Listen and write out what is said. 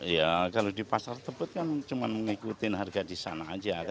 ya kalau di pasar tebet kan cuma ngikutin harga di sana aja